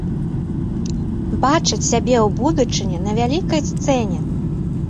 Бачаць сябе ў будучыні на вялікай сцэне.